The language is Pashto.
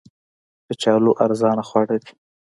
کچالو ارزانه خواړه دي